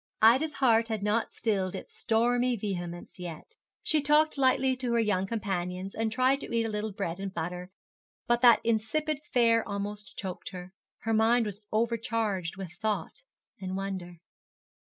Ida's heart had not stilled its stormy vehemence yet. She talked lightly to her young companions, and tried to eat a little bread and butter, but that insipid fare almost choked her. Her mind was overcharged with thought and wonder.